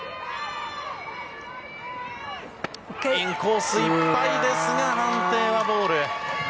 インコースいっぱいですが、判定はボール。